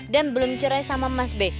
dan belum cerai sama mas b